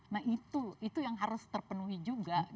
nah itu itu yang harus terpenuhi juga